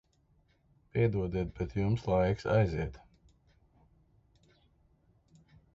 Piedodiet, bet jums laiks aiziet.